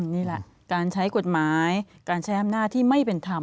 นี่แหละการใช้กฎหมายการใช้อำนาจที่ไม่เป็นธรรม